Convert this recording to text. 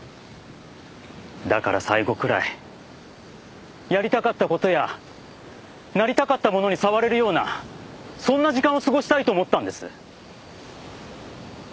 だから最後くらいやりたかった事やなりたかったものに触れるようなそんな時間を過ごしたいと思ったんです。